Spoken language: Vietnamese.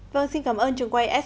vâng xin cảm ơn trường quay s hai